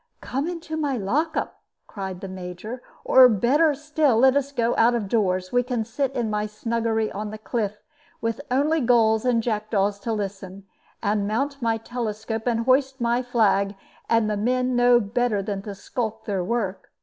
"Come into my lock up," cried the Major; "or, better still, let us go out of doors. We can sit in my snuggery on the cliff, with only gulls and jackdaws to listen, and mount my telescope and hoist my flag, and the men know better than to skulk their work.